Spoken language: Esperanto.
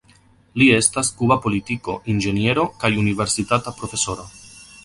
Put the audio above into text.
Li estas kuba politiko, inĝeniero kaj universitata profesoro.